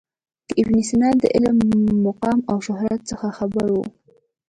د ابن سینا له علمي مقام او شهرت څخه خبر و.